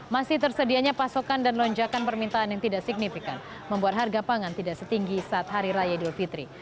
masih tersedianya pasokan dan lonjakan permintaan yang tidak signifikan membuat harga pangan tidak setinggi saat hari raya idul fitri